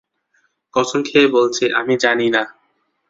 কসম খেয়ে বলছি, আমি জানি না।